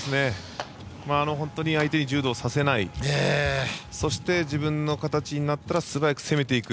本当に相手に柔道をさせないそして、自分の形になったら素早く攻めていく。